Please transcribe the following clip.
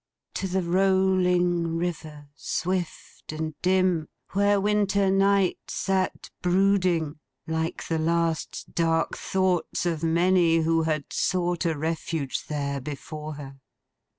To the rolling River, swift and dim, where Winter Night sat brooding like the last dark thoughts of many who had sought a refuge there before her.